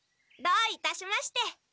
どういたしまして。